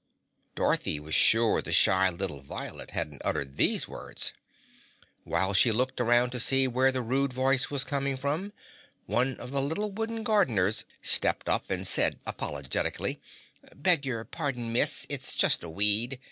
Dorothy was sure the shy little violet hadn't uttered these words. While she looked about to see where the rude voice was coming from, one of the little wooden gardeners stepped up and said apologetically, "Beg your pardon, Miss, it's just a weed.